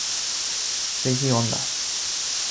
Seiji Honda